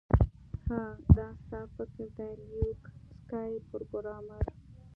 ها دا ستا فکر دی لیوک سکای پروګرامر